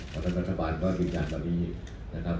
เพราะว่ารัฐบาลก็พิจารณ์ตอนนี้นะครับ